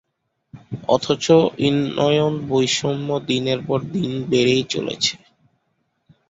অথচ উন্নয়নবৈষম্য দিনের পর দিন বেড়েই চলেছে।